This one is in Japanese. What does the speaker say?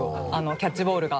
キャッチボールが。